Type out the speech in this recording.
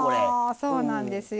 そうなんですよ。